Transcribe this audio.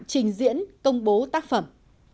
trình diễn công bố tác phẩm